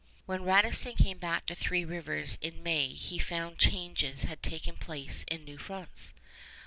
When Radisson came back to Three Rivers in May he found changes had taken place in New France.